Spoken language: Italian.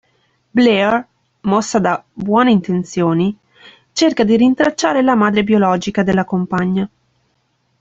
Blair, mossa da buone intenzioni, cerca di rintracciare la madre biologica della compagna.